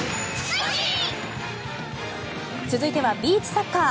続いてはビーチサッカー。